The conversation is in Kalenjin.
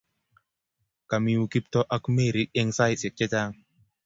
Kami yu Kiptoo ak Mary eng saisiek chechang